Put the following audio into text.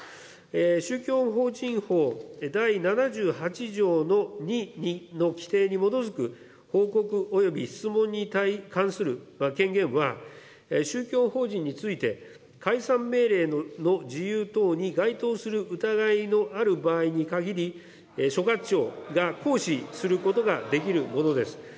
宗教法人法第７８条２に規定に基づく報告および質問に関する権限は宗教法人について、解散命令の事由等に該当する疑いのある場合にかぎり、所轄庁が行使することができるものです。